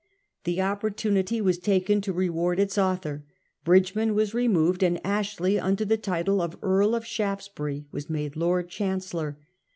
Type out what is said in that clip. The opportunity was taken to reward its author. Bridge man was removed, and Ashley, under the title of Earl of Shaftesbury, was made Lord Chancellor.